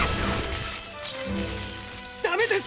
ダメです！